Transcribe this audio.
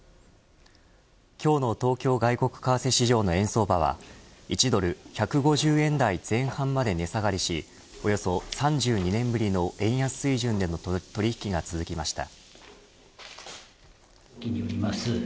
今日の東京外国為替市場の円相場は１ドル１５０円台前半まで値下がりしおよそ３２年ぶりの円安水準での取り引きが続きました。